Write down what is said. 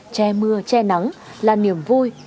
che mưa che nắng là niềm vui